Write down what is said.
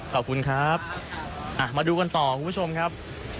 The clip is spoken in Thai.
ขอบคุณครับมาดูกันต่อคุณผู้ชมครับ